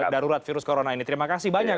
darurat virus corona ini terima kasih banyak